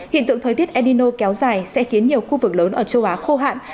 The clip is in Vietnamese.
hiện tượng thời tiết el nino kéo dài sẽ khiến nhiều khu vực lớn ở châu á khô hạn